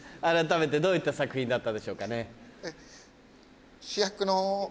改めてどういった作品だったんでしょうかね。